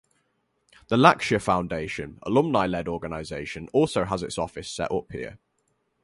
The Lakshya Foundation, alumni led organization also has its office set up here.